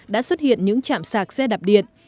đã xuất hiện những chạm sạc xe đạp điện